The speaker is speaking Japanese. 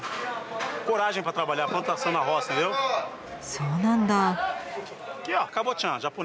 そうなんだ。